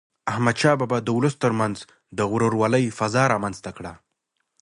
احمدشاه بابا د ولس تر منځ د ورورولی فضا رامنځته کړه.